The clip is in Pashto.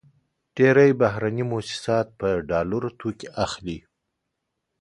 ډېری بهرني موسسات په ډالرو توکې اخلي.